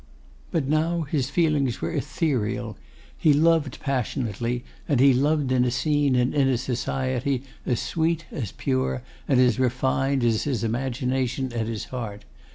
But now his feelings were ethereal. He loved passionately, and he loved in a scene and in a society as sweet, as pure, and as refined as his imagination and his heart.